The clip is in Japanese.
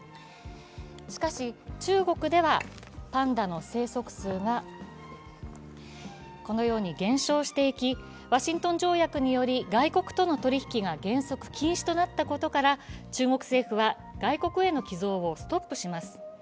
しかし、中国ではパンダの生息数が減少していき、ワシントン条約により外国との取り引きが原則禁止となったことから中国政府は外国への寄贈をストップします。